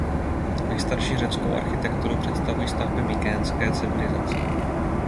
Nejstarší řeckou architekturu představují stavby mykénské civilizace.